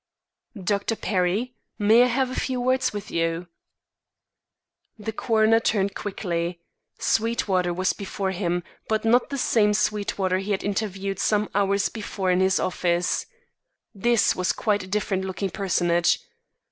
"Dr. Perry, may I have a few words with you?" The coroner turned quickly. Sweetwater was before him; but not the same Sweetwater he had interviewed some few hours before in his office. This was quite a different looking personage.